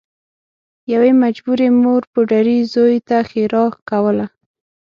یوې مجبورې مور پوډري زوی ته ښیرا کوله